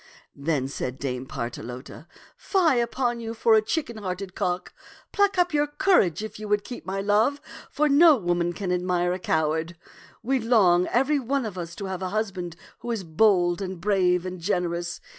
'* Then said Dame Partelote, " Fie upon you for a chicken hearted cock ! Pluck up your courage if you would keep my love, for no woman can admire a cow ard. We long, every one of us, to have a husband who is bold and brave and generous.